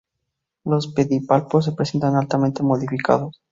Los pedipalpos se presentan altamente modificados.